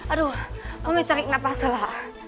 aduh mami tarik nafas lah